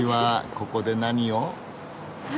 ここで何を？